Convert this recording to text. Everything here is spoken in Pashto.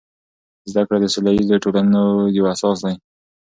زده کړه د سوله ییزو ټولنو یو اساس دی.